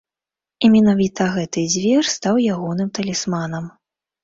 І менавіта гэты звер стаў ягоным талісманам.